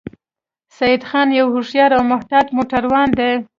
سیدخان یو هوښیار او محتاط موټروان دی